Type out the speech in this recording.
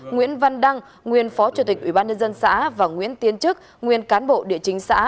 nguyễn văn đăng nguyên phó chủ tịch ubnd xã và nguyễn tiến chức nguyên cán bộ địa chính xã